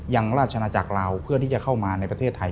ราชนาจักรลาวเพื่อที่จะเข้ามาในประเทศไทย